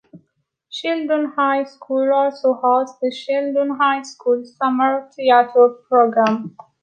Sheldon High School also hosts the Sheldon High School Summer Theatre program.